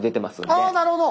ああなるほど。